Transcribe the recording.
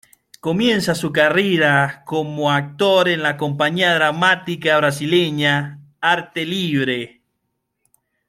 Comienza su carrera como actor en la compañía dramática brasileña Arte Livre.